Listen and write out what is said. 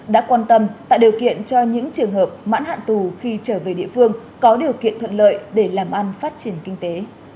đã quan tâm tạo điều kiện cho những trường hợp mãn hạn tù khi trở về địa phương có điều kiện thuận lợi để làm ăn phát triển kinh tế